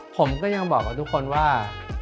ผมก็ยังบอกกับทุกคนว่า